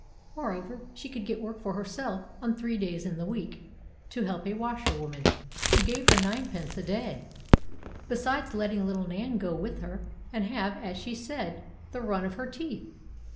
Moreover, she could get work for herself on three days in the week, to help a washerwoman, who gave her ninepence a day, besides letting little Nan go with her, and have, as she said, 'the run of her teeth.'